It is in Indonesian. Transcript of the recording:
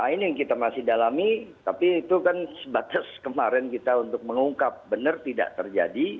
ini yang kita masih dalami tapi itu kan sebatas kemarin kita untuk mengungkap benar tidak terjadi